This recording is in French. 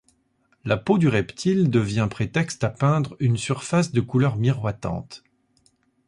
La peau du reptile devient prétexte à peindre une surface de couleurs miroitantes.